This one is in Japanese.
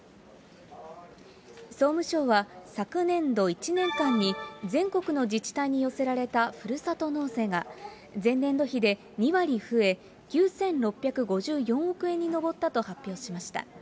総務省は、昨年度１年間に全国の自治体に寄せられたふるさと納税が、前年度比で２割増え、９６５４億円に上ったと発表しました。